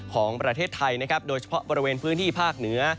ของประเทศไทยนะครับโดยเฉพาะบริเวณพื้นที่ภาคเหนือ